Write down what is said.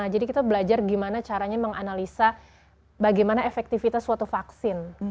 jadi kita belajar gimana caranya menganalisa bagaimana efektivitas suatu vaksin